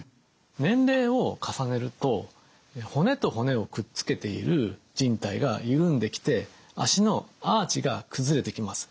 年齢を重ねると骨と骨をくっつけているじん帯が緩んできて足のアーチが崩れてきます。